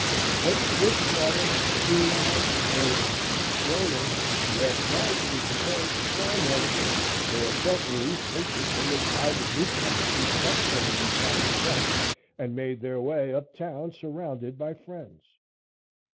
But Swiftwater, keen eyed, nervous, straining, yet trying to be composed, saw none of this, nor felt the least interest in the tide of newcomers who stepped from the Yukoner's decks and made their way up town surrounded by friends.